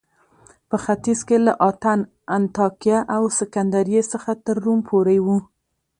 په ختیځ کې له اتن، انطاکیه او سکندریې څخه تر روم پورې و